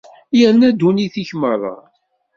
Yerna ddunit-ik merra.